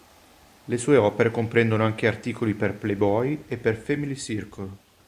Le sue opere comprendono anche articoli per "Playboy" e "Family Circle".